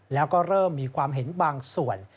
แล้วก็เริ่มมีความเห็นบางส่วน